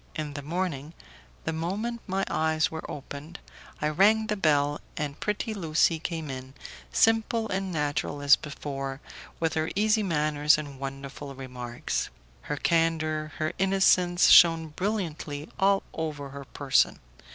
In the morning, the moment my eyes were opened, I rang the bell, and pretty Lucie came in, simple and natural as before, with her easy manners and wonderful remarks. Her candour, her innocence shone brilliantly all over her person.